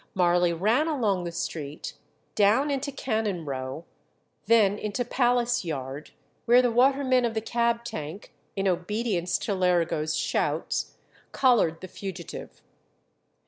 Marley ran along the street, down into Cannon Row, then into Palace Yard, where the waterman of the cab tank, in obedience to Lerigo's shouts, collared the fugitive.